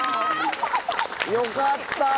よかった。